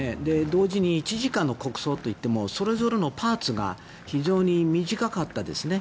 同時に１時間の国葬といってもそれぞれのパーツが非常に短かったですね。